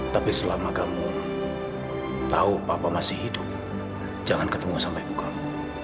tapi selama kamu tahu papa masih hidup jangan ketemu sama ibu kamu